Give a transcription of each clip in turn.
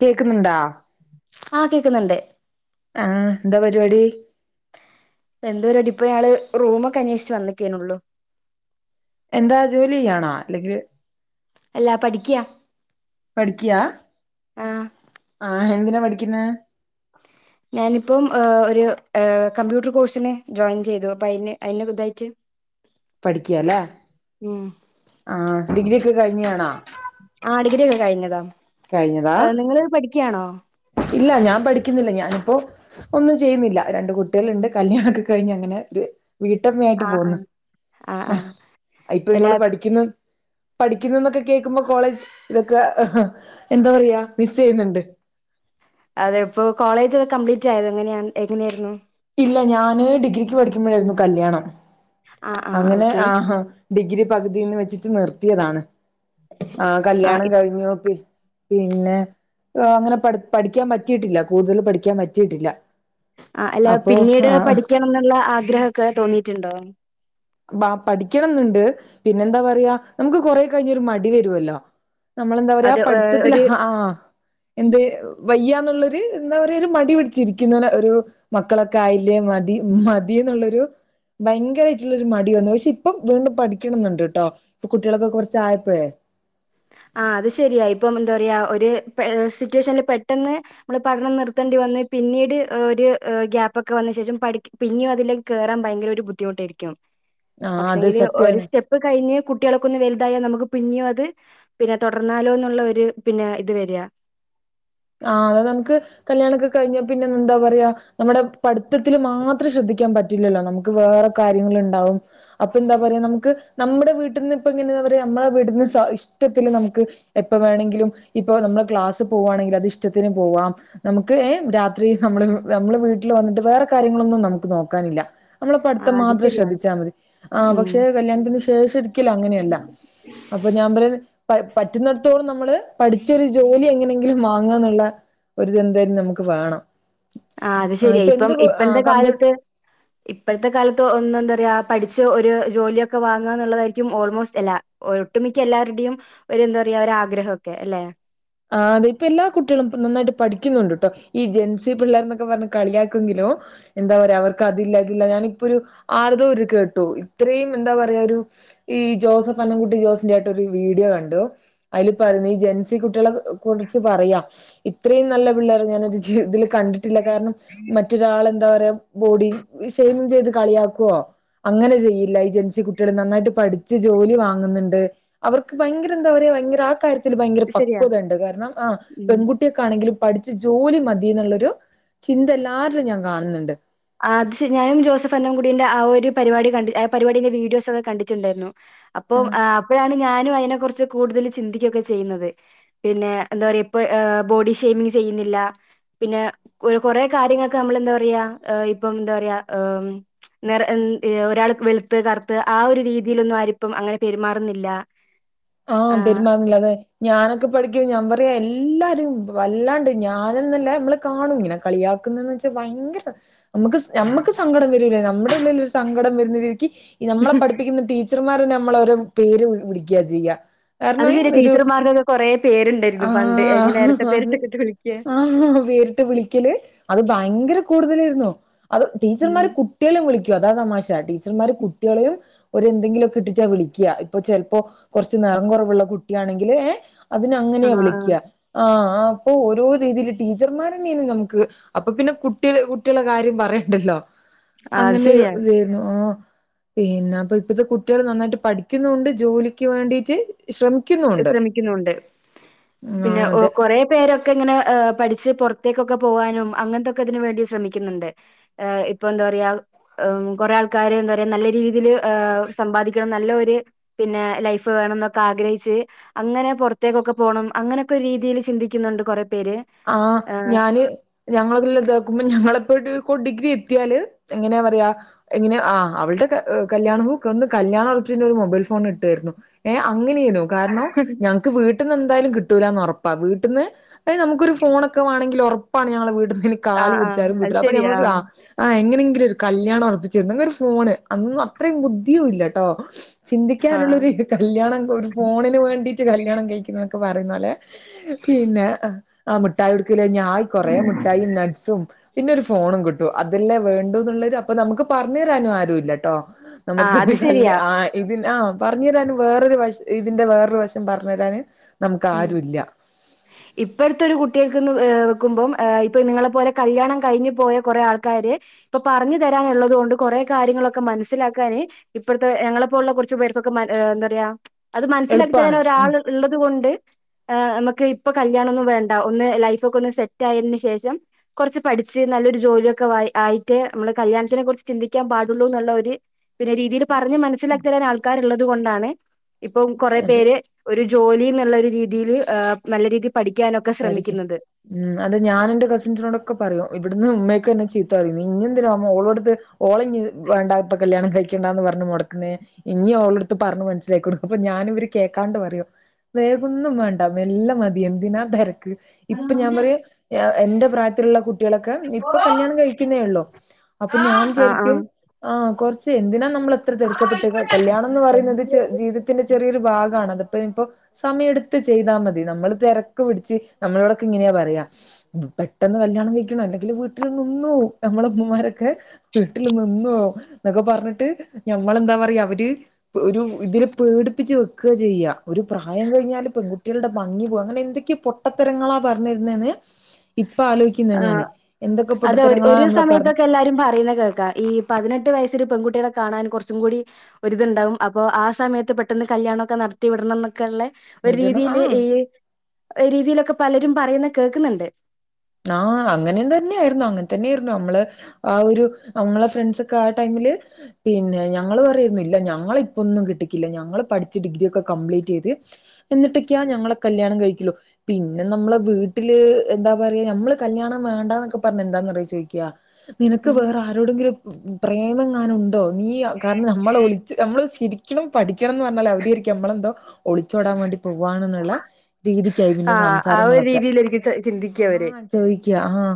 കേൾക്കുന്നുണ്ടാ ആഹ് കേൾക്കുന്നുണ്ട് ആഹ എന്താ പരിപാടി എന്തോര അടിപ്പൊ ഞങ്ങള്ള് റൂമൊക്കെ അന്വേഷിച്ച് വന്ന് ട്ടേള്ളൂ എന്താ ജോലി ചെയ്യണോ അല്ലെങ്കിൽ അല്ലാ പഠിക്കുക പഠിക്കിയാ ആ ആ എന്തിനാ പഠിക്കുന്നത് ഞാനിപ്പം് ഒരു കമ്പ്യൂട്ടർ കോഴ്സിിനന് ജോയിൻ ചെയ്തു അപ്പൊ അതിന് അതിന പുതായിട്ട് പഠിക്കയാല്ലേ ഉം ആഹ ഡിഗ്രി ഒക്കെ കഴിഞ്ഞാണാ ആ അ ഡിഗ്രിഒക്കെ കഴിഞ്ഞതാ കഴിഞ്ഞതാ ഏഹ് നിങ്ങള് പഠിക്കയാണോ ഇല്ല ഞാൻ പഠിക്കുന്നില്ല ഞാനിപ്പോൊ ഒന്നും ചെയ്യുന്നില്ല രണ്ട് കുട്ടികളുണ്ട് കല്യാണ ഒക്കെ കഴിഞ്ഞ് അങ്ങനെ ഒരു വീട്ടമ്മായിട്ട് ആ ആ പോുന്നു ആ ഇപ്പൊ അല്ല നിങ്ങള് പഠിക്കുന്നു പഠിക്കുന്നന്നൊക്കെ കേക്കുമ്പോ കോളേജ് ഇതൊക്കെ എന്താ പറയാ മിസ് ചെയ്യുന്നുണ്ട് അതെ ഇപ്പോൊ കോളേജ് ഒെ കംപ്ലീറ്റ് ആയത് എങ്ങന എങ്ങനെയായിരുന്നു ഇല്ല ഞാന് ഡിഗ്രിക്ക് പഠിക്കുമ്പോഴായിരുന്നു കല്യാണം ആ ആ അങ്ങനെ ഓക്കെ ആഹ ഡിഗ്രി പകുതിന്ന് വെച്ചിട്ട് നിർത്തിയതാണ് ആ കല്യാണം കഴിഞ്ഞോപ്പിൽ പിന്നെ അങ്ങനെ പഠ പഠിക്കാൻ പറ്റിട്ടില്ല കൂടുതൽ പഠിക്കാൻ പറ്റിയിട്ടില്ല ആ അല്ല അപ്പോ പിന്നീട് ആഹ് പഠിക്കണം എന്നുള്ള ആഗ്രഹമൊക്കെ തോന്നിയിട്ടുണ്ടോ പഠിക്കണം എന്നുണ്ട് പിന്നെന്താ പറയാ നമുക്ക് കൊറെ കഴിഞ്ഞരു മടി വരുമല്ലോ നമ്മളെന്താ പറയാ അത് ഏഹ് പഠിത്തത്തി ഒരു ആ എന്ത് വയ്യാന്നുള്ളൊരു എന്താ പറയാ ഒരു മടി പിടിച്ചിരിക്കുന്ന ഒരു മക്കളൊക്കെ ആയില്ലേ മതി മതി എന്നുള്ളൊരു ഭയങ്കര രു മടി വന്നു പക്ഷെ ഇപ്പം വീണ്ടും പഠിക്കണം എന്നുണ്ട് കേട്ടോ കുട്ടികളൊക്കെ കൊറച്ച് ആയപ്പോഴേ ആഹ് അത് ശരിയ ഇപ്പം എന്താ പറയാ ഒരു സിറ്റുവേഷനിൽ പെട്ടെന്ന് നമ്മള് പഠനം നിർത്തേണ്ടി വന്ന് പിന്നീട് ഒരു ഗ്യാപ്പൊക്കെ വന്ന ശേഷം പഠി പിന്നും അതിലേക്ക് കയറാൻ ഭയങ്കര ഒരു ബുദ്ധിമുട്ടായിരിക്കും ആഹ് അത് സത്യാണ് ഇത് കഴിഞ് കുട്ടികളക്കൊ ഒന്ന് വലുതായൽ നമുക്ക് പിെന്നെയും അത് പിന്നെ തുടർന്നാലോന്നുള്ള ഒരു പിന്നെ ഇത് വരിയാ ആഹ് അതെ നമുക്ക് കല്യാണണംക്കെ കഴിഞ്ഞാ പിന്നെ എന്താ പറയാ നമ്മുടെ പഠിത്തത്തില് മാത്രം ശ്രദ്ധിക്കാൻ പറ്റില്ല റ്റില്ലല്ലോ നമുക്ക് വേറെ കാര്യങ്ങൾ ഉണ്ടാവും അപ്പൊ എന്താ പറയാ നമുക്ക് നമ്മുടെ വീട്ടിൽന്ന് ഇപ്പം ഇങ്ങനെയാ പറയാ നമ്മളെ വീടുന്ന് ഇഷ്ടത്തില് നമുക്ക് എപ്പൊ വേണമെങ്കിലും ഇപ്പൊ നമ്മള് ക്ലാസ് പോവുവാണെങ്കിൽ അത് ഇഷ്ടത്തിന് പോവാം നമുക്ക് രാത്രി നമ്മൾ നമ്മെ വീട്ടിൽ വന്നിട്ട് വേറെ കാര്യങ്ങളൊന്നും നമുക്ക് നോക്കാനില്ല നമ്മള പഠിത്തം ആഹ് അത് മാത്രം ശരിയാ ശ്രദ്ധിച്ചാൽ മതി ആ ഉം പക്ഷെ കല്യാണത്തിന് ശേഷം ഒരിക്കലും അങ്ങനെയല്ല അപ്പൊ ഞാൻ പറയ പറ്റുന്നിടത്തോളം നമ്മള് പഠിച്ചൊരു ജോലി എങ്ങനെങ്കിലും വാങ്ങന്നുള്ള ഒരുതെന്തായാലും നമുക്ക് വേണം അത് ആഹ് ശരിയാ ഇപ്പം എന്ത് ഇപ്പഴത്തെ [unintelligible] കമ്പ്യൂ കാലത്ത് ഇപ്പോഴത്തെ കാലത്ത് ഒന്ന്എന്താ റയാ പഠിച്ച് ഒരു ജോലിയൊക്കെ വാങ്ങാ എന്നുള്ളതായിരിക്കും ഓൾമോസ്റ്റ് എല്ല ഒട്ടുമിക്ക എല്ലാവരുടെയും ഒരു എന്താ പറയാ ഒരു ആഗ്രഹംക്കെ അല്ലെ ആഹ് അതെ ഇപ്പം എല്ലാ കുട്ടികളും ഇപ്പം നന്നായിട്ട് പഠിക്കുന്നുണ്ട് കേട്ടോ ഈ ജെൻസി പിള്ളേർ എന്നൊക്കെ പറഞ്ഞ് കളിയാക്കെങ്കിലും എന്താ പറയാ അവർക്ക് അതില്ലതില്ല ഞാനിപ്പൊ ഒരു ആർതര് കേട്ടു ഇത്രയും എന്താ പറയാ ഒരു ഈ ജോസഫ് പന്നകുട്ടി ജോസിന്റെ ആയിട്ടൊ ഒരു വീഡിയോ കണ്ടു അതിൽ പറയുന്ന ഈ ജെൻസിട്ട കുട്ടികളെ കുറിച്ച് പറയാ ഇത്രയും നല്ല പിള്ളേർ ഞാന് ജവിതത്തിൽ കണ്ടിട്ടില്ല കാരണം മറ്റൊരാൾെന്താ പറയാ ബോഡി ഷെമിങ് ചെയ്ത് കളിയാക്കുവോ അങ്ങനെ ചെയ്യില്ല ഏഹ് ജൻസി കുട്ടികൾ നന്നായിട്ട് പഠിച്ച് ജോലി വാങ്ങുന്നുണ്ട് അവർക്ക് ഭയങ്കര എന്താ പറയ ഭയങ്കര ആഹ കാര്യത്തിൽ ഭയങ്കര ശരിയാ പക്വത ഉണ്ട് കാരണം ആ ഉം പെൺകുട്ട കുട്ടിയക്കെ ആണെങ്കിലും പഠിച്ച് ജോലി മതി എന്നുള്ളൊരു ചിന്ത എല്ലാവരിലും ഞാൻ കാണുന്നുണ്ട് ആഹ് അത് ഞാനും ജോസഫ്ണ് കൂടിന്റെ ആഹ ഒരു പരിപാടി കണ്ട് ആ പരിപാടിന്റെ വീഡിയോസ് ഒക്കെ കണ്ടിട്ടുണ്ടായിരുന്നു അപ്പം അപ്പോഴാണ് ഞാനും അതിനെ കുുറിച്ച് കൂടുതൽ ചിന്തിക്കുകൊക്കെ ചെയ്യുന്നത് പിന്നെ എന്താ പറയാ ഇപ്പം ബോഡി ഷേമിങ് ചെയ്യുന്നില്ല പിന്നെ കൊറെ കാര്യങ്ങൊക്കെ നമ്മൾ എന്താ പറയാ ഇപ്പം എന്താ പറയാ നിറം ഒരാൾക്ക് വളുത്ത് കറുത്ത് ആഹ ഒരു രീതിയിലൊന്നും ആരിപ്പം അങ്ങനെ പെരുമാറുന്നില്ല ആഹ് പെരുമാറില്ലതെ ഞാനൊക്കെ പഠിക്കോ ഞാൻ പറയാ എല്ലാരും വല്ലാണ്ട് ഞാനന്നല്ലേ നമ്മള് കാണും ഇങ്ങനെ കളിയാക്കുന്ന ഭയങ്കര നമുക്ക് നമുക്ക് സങ്കടം വരൂല നമ്മുടെ ഉള്ളിൽ ഒരു സങ്കടം വരുന്നില്ലക്ക് നമ്മളെ പഠിപ്പിക്കുന്ന ടീ ടീച്ചർമാരെ നമ്മളോരോ പേര് വിളിക്കുക ചെയ്യുക അത് ശെരി ടീച്ചർമാരുടെൊക്കെ കുറെേ പേരുണ്ടായിരുന്നു പണ്ട് എങ്ങനെ എരട്ടപേരിട്ടൊക്കെട്ട് വിളിക്ക വേരിട്ട് വിളിക്കല് അത് ഭയങ്കര കൂടുതലായിരുന്നു അത് ഉം ടീച്ചർമാര് കുട്ടികളും വിളിക്കോ അതാ തമാശ ടീച്ചർമാർ കുട്ടികളെയും ഓര് എന്തെങ്കിലും ഒക്കെ ഇട്ടിട്ട് വിളിക്കുക ഇപ്പൊ ചിലപ്പോ കുറ കുച്ച് നിറം കുറവുള്ള കുട്ടിയാണെങ്കിൽ ഏഹ അതിന് അങ്ങനെയാ ആഹ് ആഹ് വിളിക്കുക ആഹ് അപ്പൊ ഓരോ രീതിയില് ടീച്ചർമാർ തന്നെയാണ് നമുക്ക് അപ്പൊ പിന്നെ കുട്ടി കുട്ടികള കാര്യം പറയണ്ടല്ലോ അത് അങ്ങനെ ശരിയാ ഇതായിരുന്നു ആഹ് പിന്നെ അപ്പൊ ഇപ്പഴത്തെ കുട്ടികൾ നന്നായിട്ട് പഠിക്കുന്നൊണ്ട് ജോലിക്ക് വേണ്ടിട്ട് ശ്രമിക്ക ശ്രമിക്കുന്നുണ്ട് ആഹ് പിന്നെ അതെ കൊറേ പേരൊക്കെ ഇങ്ങനെ പഠിച്ച് പുറത്തേക്കൊക്കെ പോകാനും അങ്ങനത്തെൊക്കെ ഇതിന് വേണ്ടി ശ്രമിക്കുന്നുണ്ട് ഏഹ് ഇപ്പൊ എന്താ പറയാ ഏം കൊറെ ആൾക്കാര് എന്താ പറയാ നല്ല രീതിയില് ഏഹ സമ്പാദിക്കണം നല്ല ഒര് പിന്നെ ലൈഫ് വേണംന്നൊക്കെ ആഗ്രഹി ച്ച് അങ്ങനെ പൊറത്തേക്കൊക്കെ പോണം അങ്ങനൊക്കെ രീതിയില് ചിന്തിക്ക്ന്നുണ്ട് കൊറേ പേര് ആഹ ഏഹ് ഞാന് ഞങ്ങളെല്ലാം ഇതാക്കുമ്പ ഞങ്ങളെല്ലാം പ്പൊ ഡിഗ്രി എത്തിയാല് എങ്ങനാ പറയാ എങ്ങനെ ആഹ അവളുടെ കല്യാണവും ഹ ഒന്ന് കല്യാണം ഒർപ്പിച്ചയ്ഞ്ഞാ ഒരു മൊബൈൽ ഫോൺ കിട്ടായിരുന്നു ഏഹ് അങ്ങനെയ്ന്നു കാരണം ഞങ്ങക്ക് വീട്ടിന്ന് എന്തായാലും കിട്ടൂലാന്ന് ഒറപ്പാ വീട്ടിന്ന് അയ്ന് നമു ക്കൊരു ഫോണൊക്കെ വേണെങ്കിൽ ഒറപ്പാണ് ഞങ്ങളെ വീട്ട്ന്ന് ഇനി കാല് ആഹ് ആഹ് പിടിച്ചാലും അത് കിട്ടൂല അപ്പം ശരിയാ ഞമ്മളൊരു ആഹ ആഹ എങ്ങനെങ്കിലും ഒരു കല്യാണം ഒർപ്പിരുന്നെങ്കി ഒരു ഫോണ് അന്നൊന്നും അത്രയും ബുദ്ധിയും ഇല്ലട്ടോ ചിന്തിക്കനുള്ളൊരു ആഹ് ഇത് കല്യാണം ഒരു ഫോണിന് വേണ്ടിട്ട് കല്യാണം കയ്ക്യുന്നൊക്കെ പറയുന്നോലെ പിന്നെ ആ മിഠായി കൊട്ക്കല് കയ്ഞ്ഞാ ആയ് കൊറേ മിഠായിം നട്സും പിന്നെ ഒരു ഫോണും കിട്ടും അതല്ലേ വേണ്ടൂന്ന്ള്ളര് അപ്പൊ നമുക്ക് പറഞ്ഞരാനും ആരും ഇല്ലട്ടോ ആഹ് നമുക്ക് അത് കല്യ ശരിയാ. ആഹ് ഇതിന് ആഹ പറഞ്ഞരാനും വേറൊരു വശ് ഇതിന്റെ വേറൊരു വശം പറഞ്ഞരാന് നമുക്ക് ഉം ആരുംല്ല ഇപ്പഴത്തെ ഒരു കുട്യേക്ക്ന്ന് വെക്കുമ്പം ഇപ്പൊ നിങ്ങളെപ്പോലെ കല്യാണം കഴിഞ്ഞു പോയ കൊറേ ആൾക്കാര് ഇപ്പൊ പറഞ്ഞു തരാനുള്ളത് കൊണ്ട് കൊറെേ കാര്യങ്ങളൊക്കെ മനസ്സിലാക്കാന് ഇപ്പൾത്തെ ഞങ്ങളെപ്പോലുള്ള കൊറച്ചു പേർക്കൊക്കെ മന എന്താ പറയാ അത് മനസ്സിലാക്കി എളുപ്പാണ് തരാന് ഉം ഒരാള് ഇള്ളത് കൊണ്ട് ആഹ് നമ്മക്ക് ഇപ്പൊ കല്യാണം ഒന്നും വേണ്ട ഒന്ന് ലൈഫ് ഒക്കെ ഒന്ന് സെറ്റ് ആയതിന് ശേഷം കൊറച്ച് പഠിച്ച് നല്ലൊരു ജോലിയൊക്കെ വാ ആയിട്ട് നമ്മള് കല്യാണത്തിനെ കുറിച്ച് ചിന്തിക്കാൻ പാടുള്ളൂ എന്നുള്ള ഒര് പിന്നെ രീതീല് പറഞ്ഞ് മനസ്സിലാക്കി തരാൻ ആൾക്കാരുള്ളത് കൊണ്ടാണ് ഇപ്പം കൊറെ അതെ പേര് ഒരു ജൊലീ ന്ന്ള്ളൊര് രീതിയില് ഏ നല്ല രീതിയിൽ പഠിക്യാനൊക്കെ പഠിക്കും ശ്രമിക്ക്യന്നുണ്ട്. ഉം അത് ഞാൻ എന്റെ കസിസ്നോടൊക്കെ പറയും ഇവിടുന്ന് ഉമ്മയൊക്കെ എന്നെ ചീത്ത പറയും നീയെന്തിനാ മോളോട്ത് ഓള് ഞ്ഞ് വേണ്ട ഇപ്പം കല്യാണം കഴിക്കണ്ടാന്ന് പറഞ്ഞ് മൊടക്കുന്നേ ഇഞ്ഞ് ഓളെടുത്ത് പറഞ്ഞു മനസിലാക്കി കൊട്ക്ക് അപ്പൊ ഞാന് ഇവര് കേക്കാണ്ട് പറയും വേഗൊന്നും വേണ്ട മെല്ലെ മതി. എന്തിനാ തെരക്ക് ഇപ്പൊ ഞാൻ പറിം എന്റെ പ്രായത്തിലുള്ള കുട്ടികളൊക്കെ ഇപ്പൊ കല്യാണം കഴിക്കുന്നേ ഉള്ളോ അപ്പം ഞാൻ ആഹ് വിചാരിക്ക്യും ആഹ് ആഹ കൊറച്ച് എന്തിനാ നമ്മൾ ഇത്ര തിടുക്കപ്പെട്ട് കല്യാണം എന്ന് പറയുന്നത് ജീവിത്തിന്റെ ചെറിയൊരു ഭാഗാണത് അത് പ്പ ഇനിപ്പോ സമയെട്ത്ത് ചെയ്താ മതി നമ്മള് തെരക്ക് പിടിച്ച് നമ്മളോടൊക്കെ ഇങ്ങനെയാ പറയാ പെട്ടെന്ന് കല്യാണം കയ്ക്ക്യണം അല്ലെങ്കില് വീട്ടില് നിന്നോവും ഞമ്മളെ ഉമ്മമാരൊക്കെ വീട്ടില് നിന്നോവും. ന്നൊക്കെ പറഞ്ഞിട്ട് ഞമ്മളെന്താ പറയാ അവര് ഒരുതില് പേടിപ്പിച്ച് വെ ക്കാ ചെയ്യ ഒരു പ്രായം കഴിഞ്ഞാല് പെൺകുട്ടികളുടെ ഭംഗി പോകും അങ്ങനെ എന്തൊ ക്കെ പൊട്ടത്തരങ്ങളാ പർഞ്ഞെര്ന്നന്ന്. ആ അത് ഒ പൊട്ടത്തരങ്ങളാ ഒരു നമ്മളെ പറഞ്ഞ് സമയത്തൊക്കെ എല്ലാരും പറയ്ണെ കേൾക്കാൻ ഈ പതിനെട്ട് വയസ്സില് പെൺകുട്ട്യേളെ കാണാൻ കൊറച്ചും കൂടി ഒരര്ത്ണ്ടാവും അപ്പൊ ആ സമയത്ത് പെട്ടെന്ന് കല്യാണൊക്കെ നടത്തി വിടണംന്നൊക്കെള്ളെ ഒരു വിടണം രീതിയില് ആഹ് ഈ ഒരു രീതിയിലൊക്കെ പലരും പറയുന്ന കേൾക്ക്ന്ന്ണ്ട്. ആഹ അങ്ങനെൻ തന്നെയായിരുന്നു അങ്ങനെ തന്നെയായിരുന്നു നമ്മള് ആ ഒരു നമ്മളെ ഫ്രണ്ട്ൻസൊക്കെ ആ ടൈമില് പിന്നെ ഞങ്ങള് പറയും ഇല്ല ഞങ്ങള ഇപ്പൊന്നും കെട്ടിക്കില്ല ഞങ്ങള് പഠിച്ച് ഡിഗ്രി ഒക്കെ കംപ്ലീറ്റ് ചെയ്ത് എന്നിട്ടൊക്കെയാ ഞങ്ങളെ കല്യാണം കഴികൊള്ളു പിന്നെ നമ്മളെ വീട്ടില് എന്താ റയ നമ്മള് കല്യാണം വേണ്ടന്നൊക്കെ പറഞ്ഞ എന്താന്നറയോ ചോയ്ക്യാ നിനക്ക് വേറെ ആ ടെങ്കിലും പ്രേമംങ്ങാനും ഉണ്ടോ? നീ കാരണം നമ്മളെ ഒളിച്ച് നമ്മള് ശിരി ക്കും പഠിയ്ക്കണംന്ന് പറഞ്ഞാൽ അവിട്യായിരിക്കും നമ്മളെന്തോ ഒളിച്ചോടാൻ വേണ്ടി പോവുകവാണുള്ള രീതിയ്ക്കായി പിന്നെ സംസാരങ്ങളൊക്കെ രിക്ക്യും ചിന്തിക്ക്യ അവര് ചോയ്ക്ക്യ ആഹ്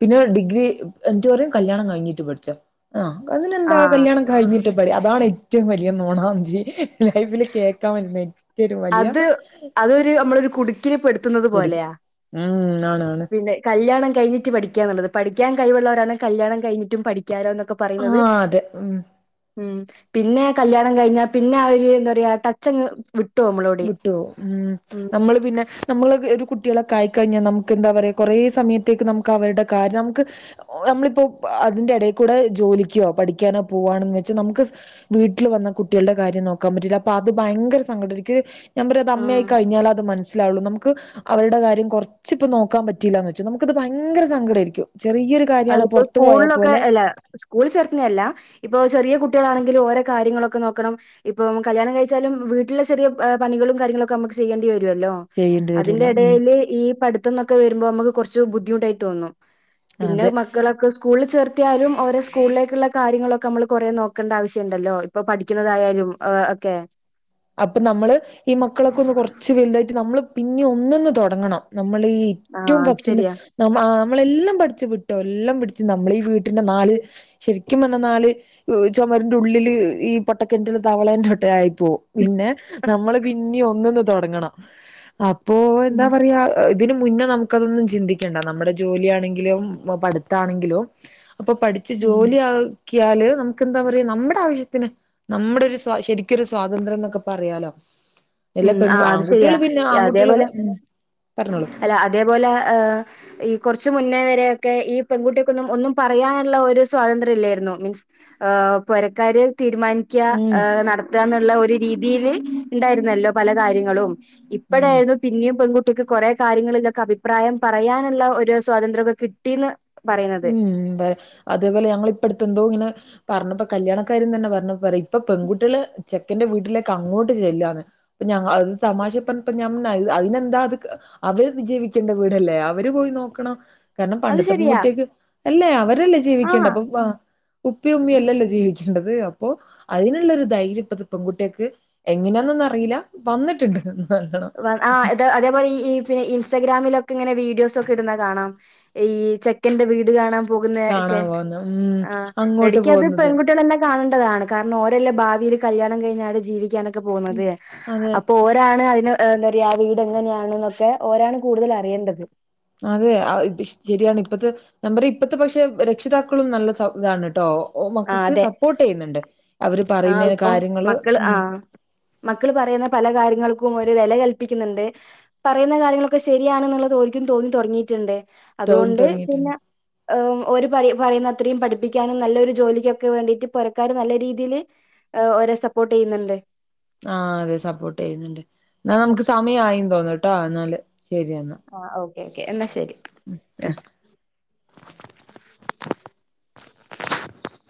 പിന്നെ ഡിഗ്രി എന്നിട്ട് പറയും കല്യാണം കയിഞ്ഞിട്ട് പഠിച്ചൊ ആഹ് അതിനെന്താ ആഹ് കല്യാണം കഴിഞ്ഞി കുറ്റപടി അതാണ് ഏറ്റവും വലിയ നോണചി ലൈഫില് കേൾക്കാൻ വരുന്ന തരും വലിയ അത് അതൊരു നമ്മളൊരു കുടുക്കില് പെടുത്തുന്നത് കു പോലെയാ ഉം ആണ് ആണ്. കല്യാണം കഴിഞ്ഞിട്ട് പഠിക്കാനുള്ളത് പഠിക്കൻ കഴിവുള്ളവരാണ് കല്യാണം കഴിഞ്ഞിട്ടും പഠിക്കാരോ എന്നൊക്കെ പറയുന്നത്. ആഹ് അതെ ഉം ഉം പിന്നെ കല്യാണം കഴിഞ്ഞാ പിന്നെ ആ ഒര് എന്താ പറയാ ടച്ചങ്ങ് വി വിട്ടു പോകും. ഉം നമ്മള് പിന്നെ നമ്മള് ഒരു കുട്ടികളെക്ക ആയി കഴിഞ്ഞാൽ നമുക്ക് എന്താ പറയാ കുറേ സമയത്തേക്ക് നമുക്ക് അവരുടെ കാര്യം നമുക്ക് നമ്മളിപ്പോ അതിന്റെ ഇടയിൽക്കൂടെ ജോലിക്കുവോ പഠിക്കാനോ പോവാണന്ന് വെച്ചാൽ നമുക്ക് വീട്ടിൽ വന്ന കുട്ടികളുടെ കാര്യം നോക്കാൻ പറ്റില്ല അപ്പൊ അത് ഭയങ്കര സങ്കട എ ഞാൻ പറ അത് അമ്മയായി ആഹ് കഴിഞ്ഞാലൽ അത് മനസ്സിലാവുള്ളു. നമുക്ക് അവരുടെ കാര്യം കുറച്ച ഇപ്പ നോക്കാൻ പറ്റയില്ലാന്ന് വെച്ചാൽ നമുക്കത് ഭയങ്കര സങ്കടമയിരിക്കും. അതിപ്പോ സ്കൂളിലൊക്കെ അല്ല സ്കൂൾ ചേർത്തുന്നല്ല. ഇപ്പൊ ചെറിയ കുട്ടികളാണെങ്കിലും ഓരോ കാര്യങ്ങളൊക്കെ നോക്കണം. ഇപ്പൊ കല്യാണം കഴിച്ചാലും വീട്ടില ചെറിയ പണികള കാര്യങ്ങളൊക്കെ നമുക്ക് ചെയ്യേണ്ടി വരുമല്ലോ? ചെയ്യേണ്ടി അതിന്റെ വരുല്ലോ ഉം ഇടയിൽ ഈ പഠിത്തംന്നൊക്കെ വരുമ്പോ നമുക്ക് കുറച്ച് ബുദ്ധിമുട്ടായി തോന്നും. പിന്നെ അതെ മക്കളൊക്കെ സ്കൂളിൽ ചേർത്തിയാലും ഓര സ്കൂളിലേക്കുള്ള കാര്യങ്ങളൊക്കെ നമ്മൾ കുറേ നോക്കേണ്ട ആവശ്യുണ്ടല്ലോ? ഇപ്പൊ പഠിക്കുന്നതായാലും ഒക്കെ [unintelligible] അപ്പൊ നമ്മള് ഈ മക്കളൊക്കെ ഒന്ന് കൊറച്ച് വലുതായിട്ട് നമ്മള് പിന്നെ ഒന്നൊന്ന് തുടങ്ങണം നമ്മൾ ഈ ആഹ് ഏറ്റവും അത് ഫസ്റ്റ്ന്ന് ശരിയാ ന നമ്മളെല്ലാം പഠിച്ച് വിട്ടോ എല്ലാം പഠിച്ച് നമ്മളീഈ വീട്ടിന്റെ നാല് ശരിക്കും പറഞ്ഞൽ നാല് ചൊമരിന്റെ ഉള്ളില് ഈ പൊട്ടകേണ്റ്റിലെ തവളേ ൻ്റോട്ട ആയിപ്പോവും പിന്നെ നമ്മള് പിന്നെ ഒന്ന്ന്ന് തുടങ്ങണം അപ്പോ എന്താ പറയാ ഇതിനന് മുന്നേ നമുക്കതൊന്നും ചിന്തിക്കണ്ട നമ്മുടെ ജോലിയാണെങ്കിലും പ്പോ പടുത്താണെങ്കിലും പ്പൊ പഠിച്ച് ജോലി ആക്ക, ആക്കിയാല് നമുക്ക് എന്താ പറയാ നമ്മുടെ ആവശ്യത്തിന് നമ്മുടെ ഒരു സ്വ ശരിക്കൊരു സ്വാതന്ത്ര്യം പറയാലോ എല്ല ഉം പെണ് ആഹ് അത് ശരിയാ ആൺകുട്ടികള് പിന്നെ അതേപോലെ ആൺകുട്ടികൾക്ക് ഉം പറഞ്ഞോളു അല്ല അതേപോലെ ഏഹ് ഈ കുറച്ചു മുന്നേ വരെയൊക്കെ ഈ പെൺകുട്ടിയാക്കൊന്നും ഒന്നും പറയാനുള്ള ഒരു സ്വാതന്ത്രം ഇല്ലായിരുന്നു മീൻസ് ആഹ് പൊരക്കാര് തീരുമാനി തീരുമാനിക്കാ ഉം നടത്ത എന്നുള്ള ഒരു രീതിൽ ഉണ്ടായിരുന്നല്ലോ പല കാര്യങ്ങളും ഉം ഇപ്പഴായിത് പിന്നിം പെൺകുട്ടിക്ക് കുറെ കാര്യങ്ങളിലൊക്കെ അഭിപ്രായം പറയാനുള്ള ഒരു സ്വാതന്ത്ര്യമൊക്കെ കിട്ടീന്ന് പറയുന്നത് ഉം വെ അതേപോലെ ഞങ്ങൾ ഇപ്പട്ത്ത് എന്തോ ങ്ങനെ പറഞ്ഞപ്പോ കല്യാണക്കാരന്ന് തന്നെ പറഞ്ഞ പറിം ഇപ്പൊ പെൺകുട്ടികള് ചെക്കന്റെ വീട്ടിലേക്ക് അങ്ങോട്ട് ചെല്ലാണ് ഞ അത് തമാശ പ്പ പ്പറഞ്ഞപ്പോ ഞാൻ പറഞ്ഞു അതിനെന്താ അത് അവര്ക്ക് വിജീവിക്കേണ്ട വീടല്ലേ അവര് പോയി നോക്കണം കാരണം അത് പണ്ടത്തെ ശരിയാ പെണ്കുട്ടിയക്ക് അല്ലേ അവരല്ലേ ജീവിക്കേണ്ട ആഹ് അപ്പൊ പ്പ ഉപ്പിമ് ഉമ്മിമ് അല്ലല്ലോ ജീവിക്കേണ്ടത് അപ്പോ അതിനുള്ളൊരു ധൈര്യം ഇപ്പത്തെ പെൺകുട്ടിയക്ക് എങ്ങനെയാന്നൊന്ന അറിയില്ല വന്ന്ട്ട്ണ്ട് ആഹ് ത് അതേപോലെ ഈ പിന്നെ ഇ ഇൻസ്റ്റാഗ്രാമിലൊക്കെ ഇങ്ങനെ വീഡിയോസ് ഒക്കെ ഇടുന്നാ കാണാം ഈ ചെക്കന്റെ വീട് കാണാം പോകുന്ന ഒക്കെ കാണാൻ പോകുന്ന ഉം ആഹ് അങ്ങോട്ട് എടക്ക് അത് പോകുന്നതും പെൺകുട്ട്യാൾ തന്നെ കാണേണ്ടതാണ് കാരണം ഓരല്ലേ ഭാവിയിൽല്യാണം കഴിഞ്ഞാല് ജീവിക്കാനൊക്കെ ഉം, പോന്നത് അതെ അപ്പൊ ഒരാണ് അതിനെ ഏഹ് എന്തറയാ വീട് എങ്ങനെയാണ് എന്നൊക്കെ ഓരാണ് കൂടുതൽ അറിയേണ്ടത് അതെ ആഹ് ശരിയാണ് ഇപ്പത്തെ നമ്മുടെ ഇപ്പത്തെ പക്ഷെ രക്ഷിതാക്കളും നല്ല സഹ് താണ് ട്ടോ ഓഹ് ആഹ് മക്കൾക്ക് അതെ സപ്പോർട്ട് ചെയ്യുന്നുണ്ട് അവര് ആഹ് പറയുന്നതിന് കാര്യങ്ങള് ഉം മക്കൾ പറയുന്ന പല കാര്യങ്ങൾക്കും ഒരു വെല കല്പിക്കുന്നുണ്ട്. പറയുന്ന കാര്യങ്ങളൊക്കെ ശരിയാണ് ന്നുള്ളത് ഓൽക്കും തോന്നി തൊടങ്ങിട്ടുണ്ട്. തൊ- അതുകൊണ്ട് തുടങ്ങിയിട്ടുണ്ട് പിന്നെ ഒരു പറയുന്ന അത്രയും പഠിപ്പിക്കാനും നല്ലൊരു ജോലിക്കൊക്കെ വേണ്ടിട്ട് പോരക്കാർ നല്ല രീതിയിൽ ഓരെ സപ്പോർട്ട് ചെയ്യുന്നുണ്ട്. ആഹ് അതെ സപ്പോർട്ട് ചെയ്യുന്നുണ്ട് ന്നാൽ നമുക്ക് സമയയി തോന്നണുട്ടോ ന്നാല് ശരിയെന്നാ. ആഹ് ഓക്കെ എന്നാ ശരി. ഏഹ്